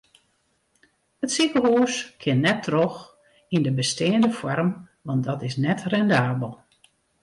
It sikehûs kin net troch yn de besteande foarm want dat is net rendabel.